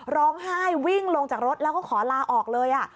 ร้องไห้วิ่งลงจากรถแล้วก็ขอลาออกเลย